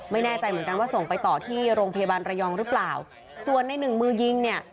ไม่แน่ใจเหมือนกันว่าส่งไปต่อที่โรงพยาบาลระยองหรือเปล่าส่วนในหนึ่งมือยิงเนี่ย